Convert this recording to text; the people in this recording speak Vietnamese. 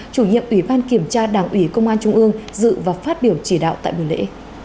chủ nhiệm ủy ban kiểm tra đảng ủy công an trung ương dự và phát biểu chỉ đạo tại buổi lễ